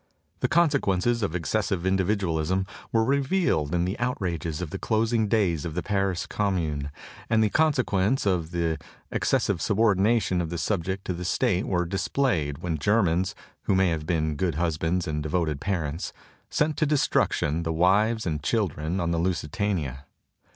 The consequences of exces sive individualism were revealed in the outrages of the closing days of the Paris Commune; and the consequences of the excessive subordination of the subject to the state were displayed when Germans (who may have been good husbands and devoted parents) sent to destruction the wives and children on the "Lusitania."